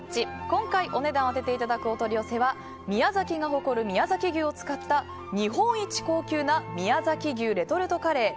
今回お値段を当てていただくお取り寄せは宮崎が誇る宮崎牛を使った日本一高級な宮崎牛レトルトカレー